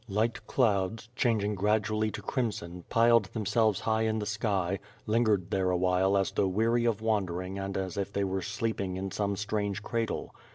Light clouds, changing gradually to crim son, pile' themselves high in the sky, lingered there awhile as though weary of wandering and as if they were sleeping in some strange cradle.